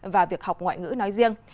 và việc học ngoại ngữ nói riêng